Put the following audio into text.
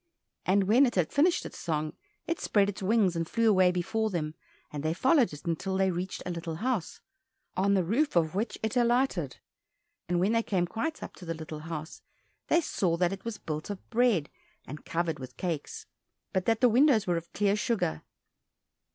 And when it had finished its song, it spread its wings and flew away before them, and they followed it until they reached a little house, on the roof of which it alighted; and when they came quite up to little house they saw that it was built of bread and covered with cakes, but that the windows were of clear sugar.